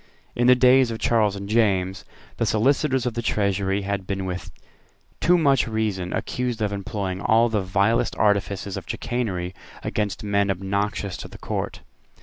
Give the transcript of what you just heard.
In the days of Charles and James, the Solicitors of the Treasury had been with too much reason accused of employing all the vilest artifices of chicanery against men obnoxious to the Court.